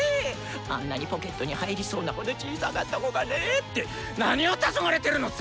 あんなにポケットに入りそうなほど小さかった子がねぇってなにをたそがれてるのっさ！